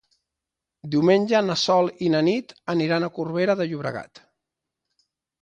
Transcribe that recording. Diumenge na Sol i na Nit aniran a Corbera de Llobregat.